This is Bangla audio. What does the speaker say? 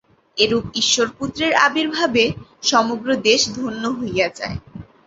এরূপ ঈশ্বর-পুত্রের আবির্ভাবে সমগ্র দেশ ধন্য হইয়া যায়।